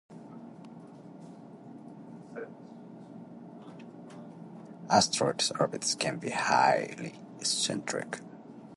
Asteroids' orbits can be highly eccentric.